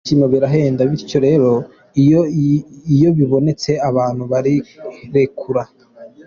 Ibyishimo birahenda bityo rero iyo bibonetse abantu barirekura.